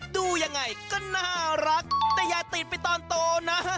ดูยังไงก็น่ารักแต่อย่าติดไปตอนโตนะ